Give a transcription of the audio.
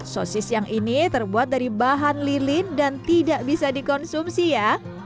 sosis yang ini terbuat dari bahan lilin dan tidak bisa dikonsumsi ya